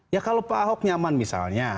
ya kalau pak ahok nyaman misalnya